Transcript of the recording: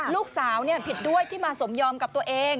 ลูกสาวผิดด้วยที่มาสมยอมกับตัวเอง